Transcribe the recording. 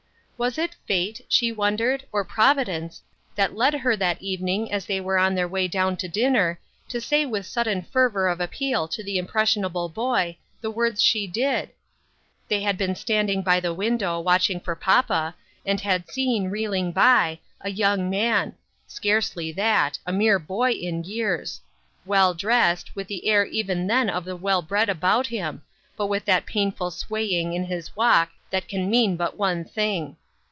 Was it fate, she wondered, or providence that led her that evening as they were on their way down to dinner,, to say with sudden fervor of appeal to the impressionable boy the words she did ? They had been standing by the window watching for papa, and had seen reeling by, a young man — scarcely that; a mere boy in years — well dressed, with the air even then of the well bred about him, but with that painful swaying in his walk that can mean but one thing.